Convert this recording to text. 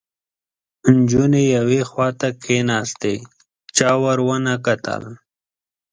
نجونې یوې خواته کېناستې، چا ور ونه کتل